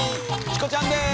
チコちゃんです。